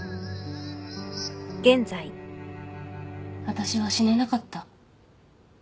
私は死ねなかった。